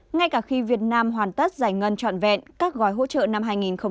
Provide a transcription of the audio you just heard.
ngay cả khi việt nam hoàn tất giải ngân trọn vẹn các gói hỗ trợ năm hai nghìn hai mươi